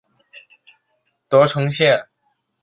德城线